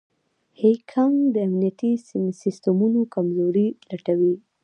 هیکنګ د امنیتي سیسټمونو کمزورۍ لټوي.